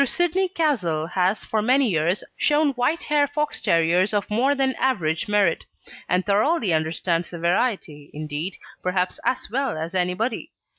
Sidney Castle has for many years shown wire hair Fox terriers of more than average merit; and thoroughly understands the variety, indeed, perhaps as well as anybody.